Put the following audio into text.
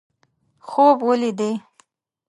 خوب ولیدي.